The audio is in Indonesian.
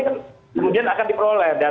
kemudian akan diperoleh